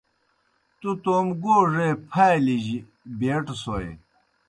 تُوْ توموْ گوڙے پھالیْ جیْ بیٹوْسوئے۔